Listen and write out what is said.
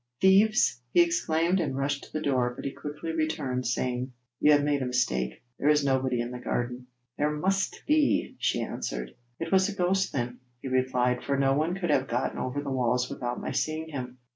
'Thieves!' he exclaimed, and rushed to the door, but he quickly returned, saying: 'You have made a mistake; there is nobody in the garden.' 'But there must be,' she answered. 'It was a ghost, then,' he replied, 'for no one could have got over the walls without my seeing him.'